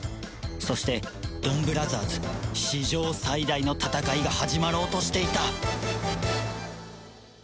そしてドンブラザーズ史上最大の戦いが始まろうとしていた！